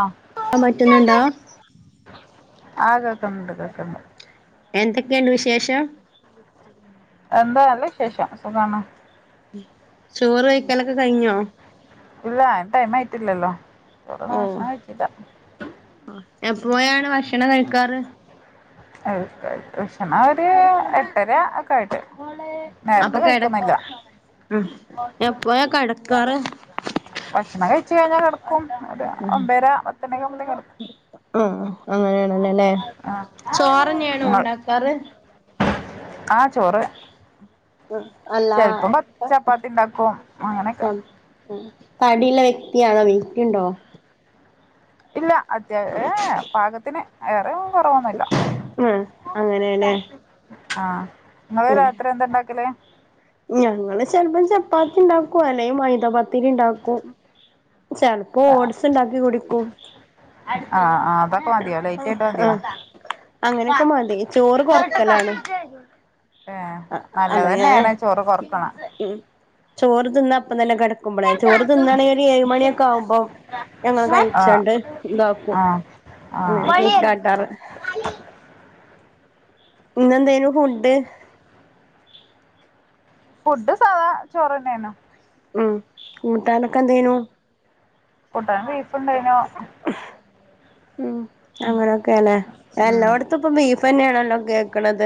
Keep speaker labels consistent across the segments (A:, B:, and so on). A: ആഹ്
B: പറ്റുന്നുണ്ടോ
A: ആ കേക്ക്ണ് ണ്ട് കേക്ക്ണ്ട്
B: എന്തെക്കെണ്ട് വിശേഷം
A: എന്താ നല്ല വിശേഷം സുഖാണ്
B: ചോറ് കഴിക്കലൊക്കെ കഴിഞ്ഞോ
A: ഇല്ല ടൈം മായിട്ടില്ലല്ലോ
B: ഓ
A: [unintelligible] കഴിച്ചില്ല
B: എപ്പോയാണ് ഭക്ഷണം കഴിക്കാറ്
A: വിഷണം ഒരു എട്ടര ഒക്കെ ആയിട്ട്
B: അപ്പൊ
A: നേരത്തെ
B: കിടക്ക
A: കഴിക്കുന്നില്ല
B: എപ്പോഴാ കിടക്കാറ്
A: ഭക്ഷണം കഴിച്ച കഴിഞ്ഞാ കടക്കും ഒരു ഒമ്പര പത്തണക്ക ആവൂമ്പോതി കടക്കും
B: ആ അങ്ങനെയാണല്ലോല്ലെ ചോറന്നെ ആണോ
A: ആഹ്
B: ഇണ്ടാക്കാറ്
A: ആ ചോറ്
B: അല്ല
A: ചെൽപ്പം പ ചപ്പാത്തി ഇണ്ടാക്കും അങ്ങനെക്കെ
B: തടിള്ള വ്യക്തിയാണോ വെയ്റ്റ്ണ്ടോ
A: ഇല്ല അത്യാ ഏ പാകത്തിന് ഏറെ കുറവൊന്നുമില്ല
B: ഉ അങ്ങനേല്ലേ
A: ആ
B: ആ ഞങ്ങള് ചിലപ്പം ചപ്പാത്തി ഉണ്ടാക്കുവ അല്ല മൈ ദ പ - ത്തിരി ഉണ്ടാക്കും ചെലപ്പോ ഓഡ്സ് ഇണ്ടാക്കി കുടിക്കും
A: ആ ആ അതൊക്കെ മതിയോ ലൈറ്റ് ആയിട്ട്
B: ആ
A: മതിയോ
B: അങ്ങനെയൊക്കെ മതി ചോറ് കൊറക്കലാണ്
A: ഏ നല്ലത്
B: അതാ
A: തന്നെയ ആണ് ചോറ് കൊറക്കണ
B: ചോർ തിന്ന തന്നെ കിടക്കുമ്പോളേ ചോറ് തിന്നണെ ഒരു ഏഴ് മണിയൊക്കെ ആവുമ്പോ ഞങ്ങൾ
A: ആ
B: കഴിച്ചോണ്ട് ഇതാക്കും
A: ആ ആ
B: അങ്ങനെയൊക്കെ കാട്ടാറ് ഇന്ന്ന്തേനു ഫുഡ്
A: ഫുഡ് സാധാ ചോറ്ന്നെയനു
B: ഉം കൂട്ടാനൊക്കെന്തനു
A: കൂട്ടാൻ ബീ ണ്ടനോ
B: ഉം അങ്ങനൊക്കെല്ലേ
A: ഉം
B: എല്ലോടത്തും ഇപ്പൊ ബീഫ് ന്നെയാണല്ലോ കേക്കണത്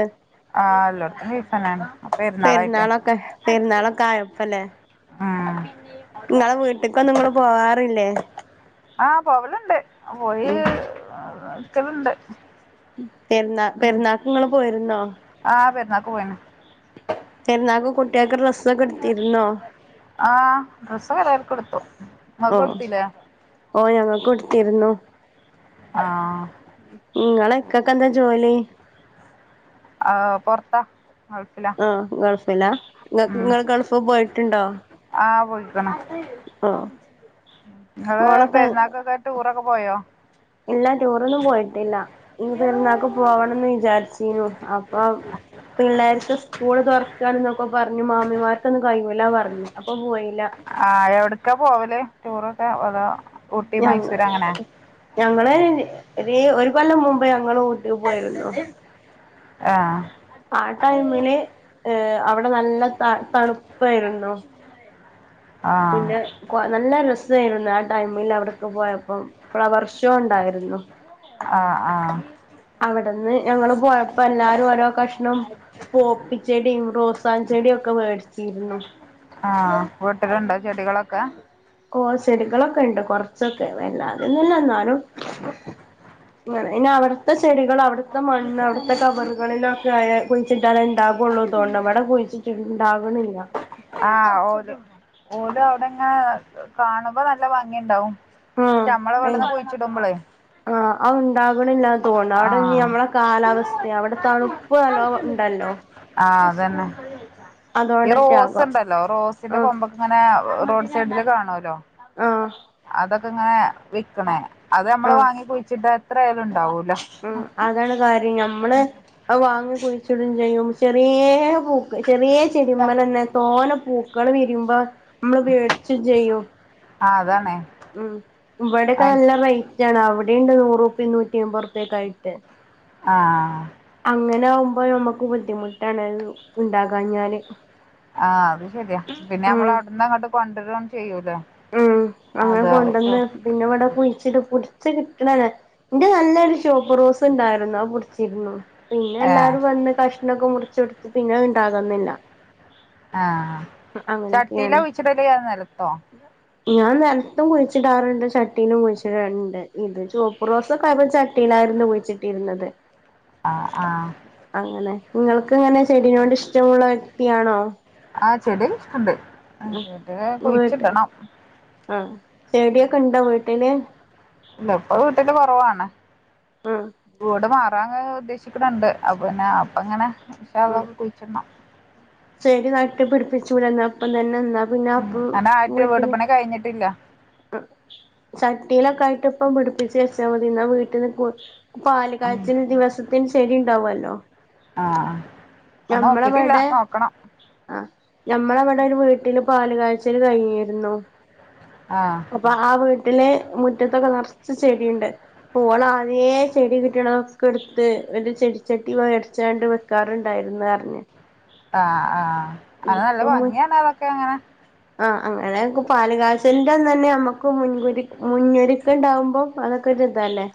A: ആ എല്ലോടത്തും ബീഫ് തന്നെയാണ് പെരുന്നാളായിട്ടെ
B: പെരുന്നാളൊക്കെ പെരുന്നാളൊക്കെ ആയപ്പല്ലേ
A: ഉം
B: നിങ്ങളെ വീട്ട്ക്കൊന്നും ങ്ങള് പോവാറില്ലേ
A: ആ പോവല്ണ്ട് പ്പോയി
B: ഉം
A: ക്കലണ്ട്
B: പെരുന്നാ പെരുന്നാക്ക്ങ്ങൾ പോയിരുന്നോ
A: നക്ക് പോയിന [unintelligible]
B: പെരുന്നാക്ക് കുട്ട്യേക്ക് ഡ്രസ്സ്‌
A: ആഹ ഡ്രസ്സ ഒക്കെ എല്ലാർക്കും ഇടത്തു ഇങ്ങക്ക് ഇദ്ത്തിലെ
B: തീരുന്നു
A: ആ
B: നിങ്ങളെ ഇക്കക്ക് എന്താ ജോലി
A: ആഹ പൊറത്താ ഗൾഫിലാ
B: ആ ഗൾഫ് ഫിലാ
A: ഉം
B: നിങ്ങൾ ഗൾഫ് പോയിട്ടുണ്ടോ
A: ആ പോയിക്ക്ണ്
B: ഓ
A: നിങ്ങള്
B: മോളൊക്കെ
A: പെരുനാൾക്കൊക്ക ടൂർ ഒക്കെ പോയോ
B: ഇല്ല ടൂറൊന്നും പോയിട്ടില്ല ഇനി പെരുന്നാക്ക് പോകണംന്ന് വിചാരിച്ചിരുന്നു അപ്പൊ പിള്ളേർക്ക് സ്കൂള് തുറക്കാന്നൊക്കെ പറഞ്ഞു മാമിമാർക്കൊന്നും കഴിവൂല്ല പറഞ്ഞു അപ്പൊ പോയി
A: ആഹ എവിടക്കാ പോവലേ ടൂറ് തപ [unintelligible]
B: ഞങ്ങ ഞങ്ങള് ഇ ഒരു കൊല്ലം മുമ്പ് ഞങ്ങൾ ഊ പോയിരുന്നു
A: ആ
B: ആ ടൈമില് അവിടെ നല്ല ത തണുപ്പായിരുന്നു
A: ആ
B: പിന്നെ നല്ല രസായിരുന്നു ആ ടൈമിൽ അവിടൊക്കെ പോയപ്പം ഫ്ലവർ ഷോ ഉണ്ടായിരുന്നു
A: ആ ആ
B: അവിടെന്ന് ഞങ്ങള് പോയപ്പോ എല്ലാരും ഓരോ കഷ്ണം പോപ്പിച്ചെടിയും റോസ ചെടിയും ഒക്കെ മേടിച്ച ചീരുന്നു
A: ആഹ വീട്ടിിലുണ്ടോ ചെടികളൊക്കെ
B: ഓ ചെടികളൊക്കെ ഉണ്ട് കൊറച്ചൊക്കെ വല്ലാതന്നല്ല എന്നാലും ഇന്ന അവിടുത്തെ ചെടികൾ അവി അവിത്തെ മണ്ണ് അവിടുത്തെ കവറുകളിലൊക്കെ കുഴിച്ചിട്ട ഉണ്ടാാവുള്ളൂ തോന്നുന്നു ഇവിടെ കുഴിച്ചിട്ടുണ്ടാവണില്ല
A: ആ ഓല് ഓല് അവിടെ ഇങ്ങനെ കാണുമ്പോ നല്ല ഭംഗിയുണ്ടാവും മ്മളെ ഇവിടുന്നു കുഴിച്ചിടുമ്പോളെ
B: ആണ്ട് [unintelligible] ഉണ്ടാകണില്ലന്ന് തോന്നാ അവിടെ നമ്മളുടെ കാലാവസ്ഥ അവിടെ തണുപ്പ് നല്ലോ ഉണ്ടല്ലോ
A: ആഹ് അതന്നെ ഈ റോസ്
B: അതോണ്ടറ്റാകാം
A: ഉണ്ടല്ലോ റോസിന്റെ
B: ആഹ്
A: കൊമ്പക്ക ഇങ്ങനെ റോഡ് സൈഡില് കാണല്ലോ
B: ആഹ്
A: അതൊക്ക ഇങ്ങനെ വിൽക്കണേ അത് നമ്മള്
B: ആഹ്
A: വാങ്ങി കുയ്ച്ച്ട ത്രയാ [unintelligible] തൗ
B: ഉം അതാണ് കാര്യം ഞമ്മള് വാങ്ങി കുയിച്ചിടും ചെയ്യും ചെറിയ പൂ ചെറിയ ചെടിമ്മലന്നെ തോന പൂക്കള് വിരിമ്പോ നമ്മള് വേടിച്ചും ചെയ്യും
A: ആ അതാണ്
B: ഉം ഇവിടെക്കെ നല്ല റെയ്റ്റ് ആണ് അവ് ടിണ്ട് നൂറു നൂറ്റയ്മ്പത് റുപ്പിം ക്കെ ആയിട്ട്
A: ആഹ്
B: അങ്ങനെ ആവുമ്പോ നമുക്ക് ബുദ്ധിമുട്ടാണ് ഉണ്ടാകാ ഞാല്
A: പണ്ടരളം ചെയ്യൂ
B: ഉം അങ്ങനെ കൊണ്ടന്ന് പിന്നെ ഇവിടെ കുഴിച്ചിട് പുട് ച്ച് കിട്ടണ [unintelligible] ഇന്റെ നല്ലൊരു ചോപ്പ്റോസ് ഇണ്ടായിരുന്നു അഅ് പുടിച്ചിരുന്നു പിന്നെ
A: ഏഹ്
B: എല്ലാരും വന്ന് കഷ്ണൊക്കെ മുറിച്ചൊട് പിന്നെ അത് ഇണ്ടാകന്നില്ല
A: ആഹ് ചട്ടീലാ കുഴിച്ച്ടല് അതോ നെലത്തോ
B: ഞാൻ നെലത്തും കുഴിച്ചിടാറുണ്ട് ചട്ടിയിലും കുഴിച്ചിടാറുണ്ട് ഇത് ചുവപ്പ് റോസക്കായപ്പൊ ചട്ടിയിലായിരുന്നു കുഴിച്ചിട്ടിരുന്നത്
A: ആ ആ
B: അങ്ങനെ നിങ്ങൾക്ക് ഇങ്ങനെ ചെടിനോട് ഇഷ്ടമുള്ള വ്യക്തിയാണോ
A: ആ ചെടി ഉണ്ട്
B: ആ വീട്ട് ആ ചെടിയൊക്കെ ഇണ്ടോ വീ ടില്
A: ഇല്ല ഇപ്പൊ വീട്ടില് കൊറവാണ്
B: ആഹ്
A: ട് [unintelligible] മാർ വാങ്ങാൻ ഉദ്ദേശിക്ക്ണ് ണ്ട് അപ്പ പിന്നെ അപ്പ ഇങ്ങനെ ഇൻഷാ അള്ളാ
B: ആഹ്
A: കുയ്ച്ച്ടണം
B: ചെടി നട്ട് പിടിപ്പി ചൂടന്ന ഇപ്പം തന്നെന്നാ പിന്നെ
A: ഉം
B: അപ്പ
A: അങ്ങനെ ആയിട്ട് വീട്
B: വീട്ട്ല്
A: പണി കഴിഞ്ഞിട്ടില്ല
B: ചട്ടിയിലൊക്കെ ആയിട്ട് ഇപ്പം പിടിപ്പിച്ച് വച്ചാ മതി ഇന്നാ വീട്ട്ന്ന് കൊ പാല്
A: ഉം
B: കാച്ചൽ ദിവസത്തിന് ശരി ഉണ്ടാവല്ലോ
A: ആഹ് അത് നോക്കിട്ടില്ല
B: ഞമ്മളവിടെ
A: നോക്കണം
B: ആ ഞമ്മളവിടെ ഒരു വീട്ടില് പാല് കാ ഇച്ചരി കഴിഞ്ഞിരുന്നു
A: ആഹ്
B: അപ്പൊ ആ വീ വട്ടിലെ മുറ്റത്തൊക്കെ നിറച്ച് ചെടിയുണ്ട് ഓള് ആദ്യേ ചെടി കിട്ടണൊക്കെ എടുത്ത് ഒരു ചെടിച്ചട്ടി വേടിച്ചാണ്ട് വെക്കാറുണ്ടായിരുന്നു പറഞ്ഞു
A: ആഹ ആഹ അത് നല്ല ഭംഗിയാണ് അതൊക്കെ അങ്ങനെ
B: ആ അങ്ങനെയൊക്കെ പാല് കാച്ചൽന്റെ അന്നെന്നെ നമുക്ക് മുൻ മുന്നൊരുക്കം ഉണ്ടാവുമ്പോം അതൊക്കെ ഒരു ഇതാല്ലേ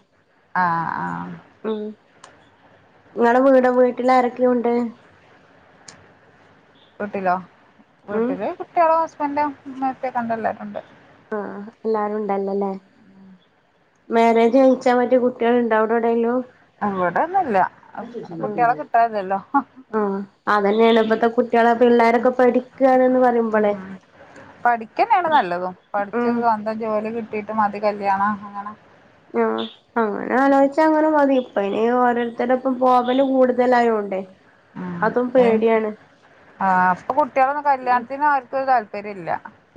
A: ആഹ് ആഹ്
B: ഉം നിങ്ങളെ വീട് വീട്ടിൽ ആരൊക്കെയുണ്ട്
A: വീട്ടിലോ
B: ഉം
A: വീട്ടില് കുട്ടികളും ഹസ് എല്ലാം നേരത്തെ കണ്ടല്ലെരുമുണ്ട്
B: ആഹ എല്ലാരും ഉണ്ടല്ലല്ലേ മാരേജ് കഴിച്ചാ മറ്റേ കുട്ടികളുണ്ടാ അവിടെ എവിടെലും
A: അവിടെന്നല്ല അ കുട്ടികളെ കിട്ടാനില്ലല്ലോ
B: ആഹ് അതന്നെയാണ് ഇപ്പത്തെ കുട്ടികളെ പിള്ളേരൊക്കെ പഠിക്കുകയാണെന്ന് പറയുമ്പോളേ
A: പഠിക്കനാണ് നല്ലതും പഠിച്ച്
B: ഉം
A: സ്വന്തം ജോലി കിട്ടിട്ട് മതി കല്യാണം അങ്ങനെ
B: ആ അങ്ങനെ ആലോചിച്ചാ അങ്ങനെ മതി ഇപ്പ ഇനി ഓരോരുത്തരുടെ ഇപ്പ പോവൽ കൂടുതലായോണ്ടേ അതും പേടിയാണ്
A: ആ അപ്പൊ കുട്ടികളൊന്നും കല്യാണത്തിന് ആർക്കുമൊരു താല്പ പരില്ല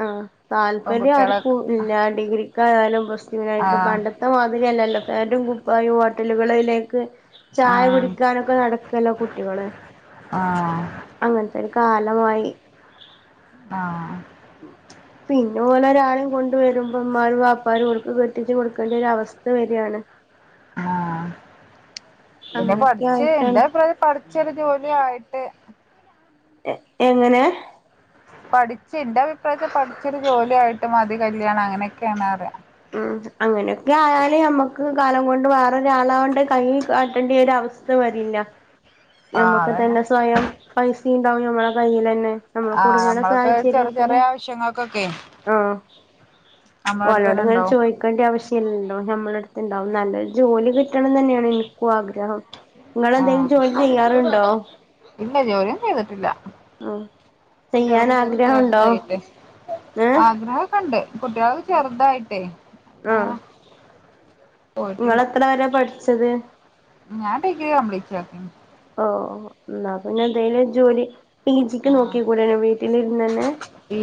B: ആ താല്പര്യം ആർക്കുമില്ല ഡിഗ്രിക്കായാലും പ്ലസ് ടുനായിട്ടും
A: ആഹ്
B: പണ്ടത്തെ മാതിരിയല്ലല്ലോ കുപ്പായും ഹോട്ടലുകളിലേക്ക് ചായ
A: ആഹ്
B: കുടിക്കാനൊക്കെ നടക്കല്ലോ കുട്ടികള്
A: ആഹ്
B: അങ്ങനത്തെ കാലമായി
A: ആഹ
B: പിന്നെ ഓല് ഒരാളെയും കൊണ്ട് വരുമ്പോ ഉമ്മനെയും വാപ്പാനെ കെട്ടിച്ച് കൊടുക്കേണ്ടി ഒരു അവസ്ഥ വര്യാണ്
A: ആ പിന്നെ
B: അങ്ങനൊക്കെ
A: പഠിച്ച എന്റെ
B: ആയിട്ടാണ്
A: അഭിപ്രായത്തി പഠിച്ചോരു ജോലിയായിട്ട്
B: എങ്ങനെ
A: പഠി എന്റെ അഭിപ്രായത്തിൽ പഠിച്ചൊരു ജോലിയായിട്ട് ട്ട് മതി കല്യാണം അങ്ങനൊയൊക്കെയാണ് പറയാ
B: ഉം അങ്ങനെയൊക്കെ ആയാലെ നമ്മക്ക് കാലം കൊണ്ട് വേറെ ഒരാളോണ്ട് കൈ കാട്ടേണ്ടി ഒരവസ്ഥ വരില്ല
A: ആഹ്
B: ഞമ്മക്ക്
A: അതന്നെ
B: തന്നെ സ്വയം പൈസയുണ്ടാവും നമ്മളെ കയ്യിലാന്നെ നമ്മ
A: ആഹ്
B: കുടുങ്ങണ
A: നമ്മൾക്ക് ചെറിയ
B: സാഹചര്യത്തില്
A: ചെറിയ ആവശ്യങ്ങൾക്കൊക്കെ
B: ആ
A: നമ്മള അടുത്ത് തന്നെ
B: ഓനോടിങ്ങനെ
A: ഉണ്ടാവും
B: ചോയ്ക്കണ്ടയാവശ്യല്ലലോ നമ്മളടത് ഇത്, ഇണ്ടാവും നല്ലൊരു ജോലി കിട്ടണം എന്നാണ് എനിക്കും ആഗ്രഹം. ഇങ്ങളന്തേലും
A: ആഹ്
B: ജോലി ചെയ്യാറുണ്ടോ
A: ഇല്ല ജോലിയൊന്നും ചെയ്തിട്ടില്ല
B: ആഹ് ചെയ്യാൻ
A: കുട്ട്യാളൊക്കെ ചെറത് ചെറതായില്ലേ
B: ആഗ്രഹണ്ടോ
A: ചെറര്തായില്ലേ
B: ഏഹ്
A: ആഗ്രഹം ഒക്കെ ഇണ്ട്. കുട്ട്യാള് ചെറുതായിട്ടേ.
B: ആഹ്
A: എങനെ. പോയിട്ടില്ല
B: നിങ്ങളെത്ര വരെ പഠിച്ചത്
A: ഞാൻ ഡിഗ്രി കംപ്ലീറ്റാക്കീന്.
B: ഇന്നാ പിന്നെ എന്തേലും ഒരു ജോലി. [inaudible] ഈച്ചിക്ക്
A: ആഹ്
B: നോക്കി കൂടെനോ വീട്ടിലിരുന്ന്ന്നെ
A: പി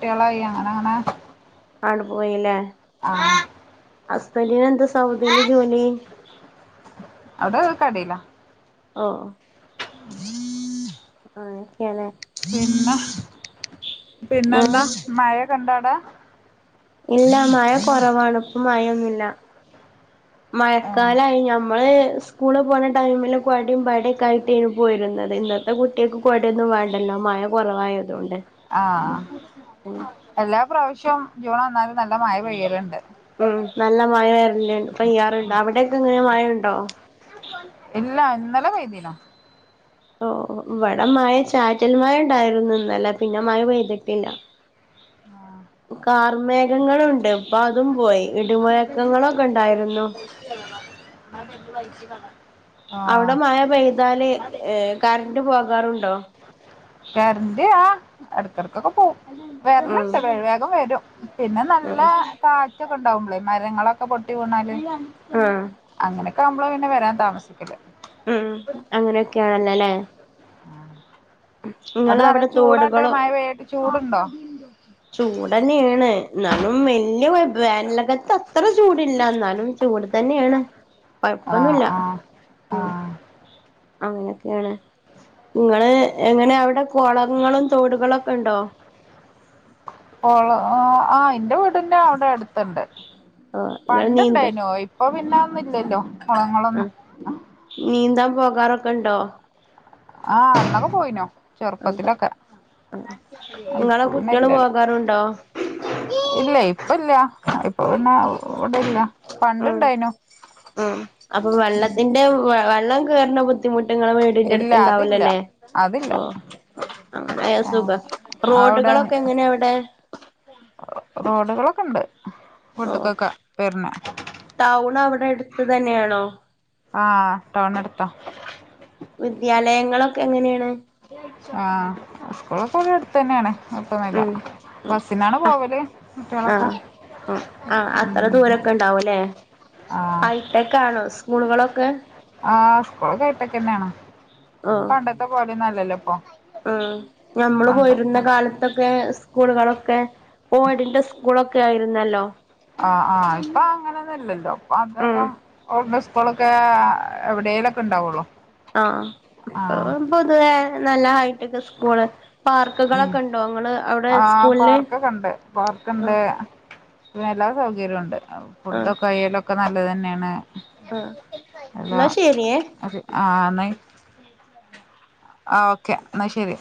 A: കുട്ടികള അങ്ങനെ അങ്ങനെ
B: അണുപോയില്ലേ
A: ആഹ്
B: ഹസ്ബൻഡന് എന്താ സൗദിയില് ജോലി
A: അവിടെ കടേലാ
B: ഓ ആ
A: പിന്നെ പിന്നെ
B: ഏഹ്
A: എന്താ മഴ കണ്ടൊ ട
B: ഇല്ല മഴ കുറവാണ് ഇപ്പ മഴൊന്നുല്ല
A: ആഹ്
B: മഴക്കാലമായി ഞമ്മള് സ്കൂള് പോകണ ടൈമില് കോടയും പാടൊക്ക ആയിട്ടേയ്നു പോയിരുന്നത് ഇന്നത്തെ കുട്ട്യാക്ക് കോടയൊന്നും വേണ്ടല്ലോ മഴ കുറവായിരു
A: ആഹ് എല്ലാ പ്രാവശ്യ ച്ച
B: ഉം നല്ല മഴ വരല്ലണ്ട് പെയ്യാറുണ്ട് അവിടെ ക്കെ എങ്ങനെ മഴുണ്ടോ
A: നല്ല വൈദ്യനാ
B: ഓ ഇവിടെ മഴ ചാറ്റൽ മഴ ഇണ്ടായിരുന്നു ന്നലെ പിന്നെ മഴ പെയ്തിട്ടില്ല ഉക്ക മേഘങ്ങളുണ്ട് ഇപ്പൊ അതും പോയി ഇടിമുഴക്കങ്ങളൊക്കെ ഉണ്ടായിരുന്നു
A: [unintelligible]
B: അവിടെ മഴ പെയ്താല് ഏ കാരണ്ട് പോകാറുണ്ടോ
A: എടക്കെടക്കൊക്കെ പോകും
B: ഉം
A: വെരല്ണ്ട് വേഗം വേഗം വരും പിന്നെ നല്ല
B: ഉം
A: കാറ്റ് ഉണ്ടാവുള്ളേ മരങ്ങളൊക്കെ പൊട്ടി വിണാലും
B: ആഹ്
A: അങ്ങനെ നമ്മള് പിന്നെ വരാൻ താമസിക്കില്ല
B: ഉം അങ്ങനെയൊക്കെയാണല്ലോല്ലേ
A: അത് നല്ല
B: നിങ്ങളവിടെ
A: ചൂടായിട്ടെ മഴ പെയ്യ്തിട് ചൂടുണ്ടോ
B: ചൂടന്നേണ് എന്നാലും വല്യ കൊയ വേനൽകത്തെ അത്ര ചൂടില്ല എന്നാലും ചൂട് തന്നെയാണ്
A: ആ
B: കൊഴപ്പൊന്നുല്ല
A: ആ ആ
B: ഉം അങ്ങനെയൊക്കെയാണ് നിങ്ങള് എങ്ങനെ അവിടെ കൊളങ്ങളും തോടുകളൊക്കെ ഉണ്ടോ
A: ഓള് ആ ആ എന്റെ വീടിന്റെ അവിടെ എട് ത്ത്ണ്ട്
B: ആഹ് നിങ്ങൾ
A: പണ്ട് ഇണ്ടായിനു ഇപ്പൊ പിന്നെ ന്ന് ഇല്ലല്ലോ
B: അ
A: കുളങ്ങളൊന്നും
B: നീന്താൻ പോകാറൊക്കെ ഇണ്ടോ
A: ആ അന്നൊക്കെ പോയിനു
B: ആഹ്
A: ചെറുപ്പത്തിലൊക്കെ
B: ആഹ്
A: ഇപ്പ
B: നിങ്ങളെ
A: പിന്നെ
B: കുട്ടികള്
A: ഇല്ലല്ലോ
B: പോകാറുണ്ടോ
A: ഇല്ല ഇപ്പ ഇല്ല ഇപ്പൊ പിന്നെ തോട്ല്ല
B: ഉം ഉം അപ്പം വെള്ളത്തിന്റെ വെള്ളം കേറ്ണ ബു ദ്ധിമുട്ട് ഇങ്ങളെ വീടിൻ്റെ
A: ഇല്ല
B: അടുത്ത് ഉണ്ടാവൂല
A: അതില്ല
B: ലേ
A: അതില്ല
B: ഓ അങ്ങനായാ
A: ആ
B: സുഖാ
A: അവിടെ
B: റോഡുകളൊക്കെ എങ്ങനെ അവ്ടെ
A: റോഡുകളൊക്കെ ഉണ്ട്
B: ഓ
A: വീട്ട്ക്കൊക്കെ വരണ
B: ടൗൺ അവിടെ എടു ത്ത് തന്നെയാണോ
A: ആ ടൗൺ അടുത്താ
B: വിദ്യാലയങ്ങളൊക്കെ എങ്ങനെയാണ്
A: ആ സ്കൂള് സ്കൂൾ അടുത്ത് തന്നെ ആണ്
B: ഉം ഉം ആ
A: കുട്ടികളൊക്കെ
B: ആ അത്ര
A: ഉം
B: ദൂരൊക്കെ ഉണ്ടാവുംല്ലേ
A: ആ
B: ഹൈടെക്ക് ആണോ സ്കൂളുകളൊക്കെ
A: സ്‌കൂളൊക്കെ ഹൈടെക്കന്നെണ് പണ്ടത്തെ പോലെ ന്നും അല്ലല്ലോ ഇപ്പൊ
B: ഉം ഞമ്മള് പോയിരുന്ന
A: പണ്ട്
B: കാലത്തൊക്കെ സ്കൂളുകളൊക്കെ ഓടിന്റെ സ്കൂളൊക്കെ ആയിരുന്നല്ലോ
A: ആ ആ ഇപ്പൊ അങ്ങനൊന്നും അല്ലല്ലോ
B: ഉം
A: ഇപ്പ [unintelligible] സ്‌ക്കൂളൊക്കേ എവിടേലൊക്കെ ഉണ്ടാവുള്ളൂ
B: ആ ആ ഇപ്പം പൊതുവേ നല്ല ഹൈട്ടക്ക് സ്കൂള്
A: ഉം
B: പാർക്കുകളൊക്കെ ഉണ്ടോ ങ്ങള് അവിടെ
A: ആഹ്
B: സ്കൂളില്
A: പാർക്കൊക്കെ ഉണ്ട്
B: അ
A: പാർക്കുണ്ട് എല്ലാ സൗകര്യും ഉണ്ട് ആ ഫുഡോക്കയേലോ ഒക്കെ നല്ലത് തന്നെയാണ്
B: ആ ന്നാ ശരിയേ
A: ന്നയ് ആ ഓക്കെ ന്നാ ശേരി